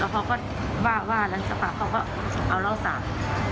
เปรียกหมดเลยแล้วก็เปรียกตัวข้างหลังด้วย